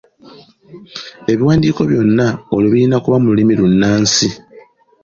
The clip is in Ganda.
Ebiwandiiko byonna olwo birina kuba mu lulimi lunnansi.